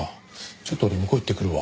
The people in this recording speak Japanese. ちょっと俺向こう行ってくるわ。